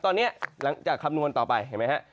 ตอนนี้หลังจากคำนวณต่อไปเห็นไหมฮะ